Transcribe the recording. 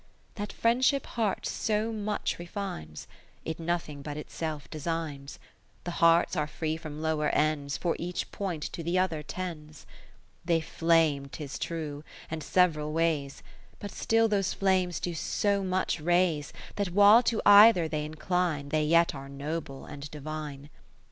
in That Friendship hearts so much refines, It nothing but itself designs : lo The hearts are free from lower ends, For each point to the other tends. IV They flame, 'tis true, and several ways, But still those Flames do so much raise, That while to either they incline, They yet are noble and divine.